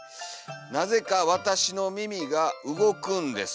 「なぜかわたしの耳が動くんです」。